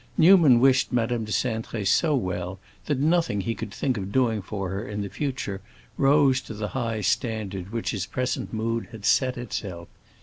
Newman wished Madame de Cintré so well that nothing he could think of doing for her in the future rose to the high standard which his present mood had set itself.